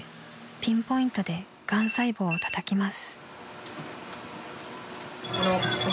ピンポイントでがん細胞をたたきます］